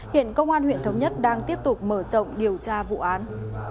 hiện công an huyện thống nhất đang tiếp tục mở rộng điều tra vụ án